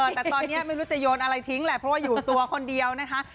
แต่ตอนนี้ไม่รู้จะโยนอะไรทิ้งแหละเพราะว่าอยู่ตัวคนเดียวนะคะ